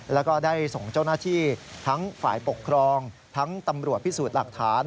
แล้วก็ได้ส่งเจ้าหน้าที่ทั้งฝ่ายปกครองทั้งตำรวจพิสูจน์หลักฐาน